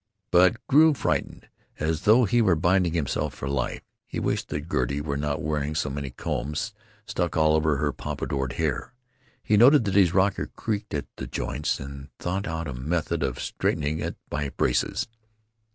but grew frightened, as though he were binding himself for life. He wished that Gertie were not wearing so many combs stuck all over her pompadoured hair. He noted that his rocker creaked at the joints, and thought out a method of strengthening it by braces.